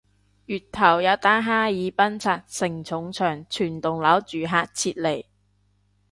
月頭有單哈爾濱拆承重牆全棟樓住客撤離